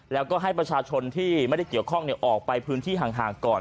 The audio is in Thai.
แล้วก็ให้ประชาชนที่ไม่ได้เกี่ยวข้องออกไปพื้นที่ห่างก่อน